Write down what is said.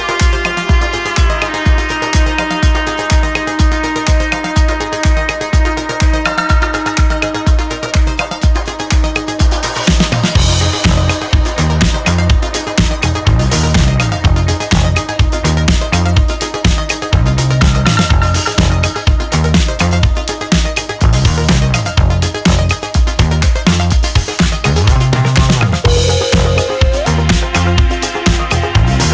ah sebentar ya pak